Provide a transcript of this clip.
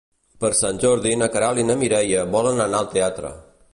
Per Sant Jordi na Queralt i na Mireia volen anar al teatre.